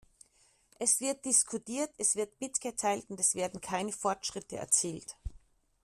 Es wird diskutiert, es wird mitgeteilt, und es werden keine Fortschritte erzielt.